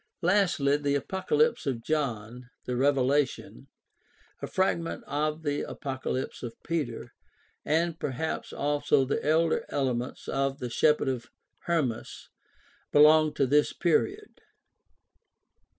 Lastly, the Apocalypse of John (Revelation), a frag ment of the Apocalypse of Peter, and perhaps also the older elements of the Shepherd of Hernias belong in this period.